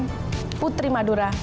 bebek goreng putri madura